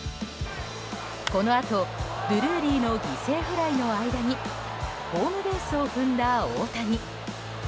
このあと、ドゥルーリーの犠牲フライの間にホームベースを踏んだ大谷。